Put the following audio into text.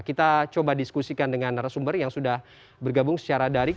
kita coba diskusikan dengan narasumber yang sudah bergabung secara daring